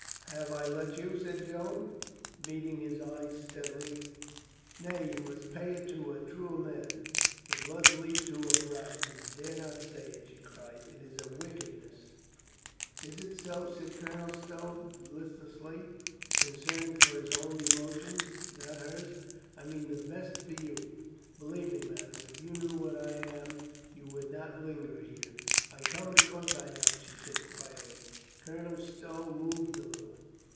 "Have I let you?" said Joan, meeting his eyes steadily. "Nay, you must pay it to a truer man." The blood leaped to her brow. "You dare not say it!" she cried. "It is a wickedness!" "Is it so?" said Colonel Stow listlessly, concerned for his own emotions, not hers. "I mean the best for you. Believe me, madame, if you knew what I am you would not linger here." "I come because I know," she said quietly. Colonel Stow moved a little.